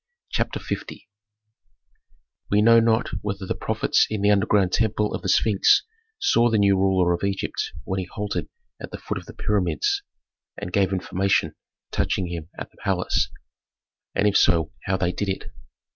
CHAPTER L We know not whether the prophets in the underground temple of the Sphinx saw the new ruler of Egypt when he halted at the foot of the pyramids, and gave information touching him at the palace, and if so how they did it.